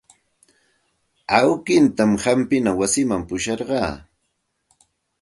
Awkiitan hampina wasiman pusharqaa.